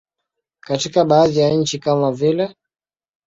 Katika baadhi ya nchi kama vile.